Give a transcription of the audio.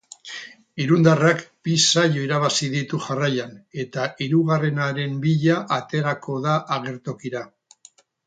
Irundarrak bi saio irabazi ditu jarraian eta hirugarrenaren bila aterako da agertokira.